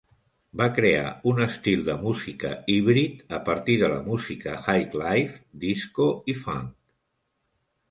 Van crear un estil de música híbrid a partir de la música highlife, disco i funk.